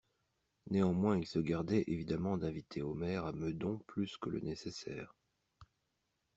Néanmoins il se gardait évidemment d'inviter Omer à Meudon plus que le nécessaire.